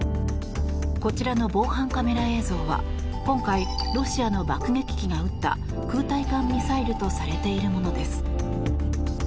こちらの防犯カメラ映像は今回、ロシアの爆撃機が撃った空対艦ミサイルとされているものです。